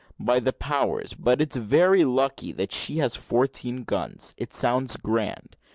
By the powers but it's very lucky that she has fourteen guns it sounds grand.